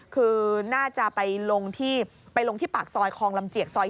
คือน่าจะไปลงที่ปากซอยคองลำเจียกซอย๔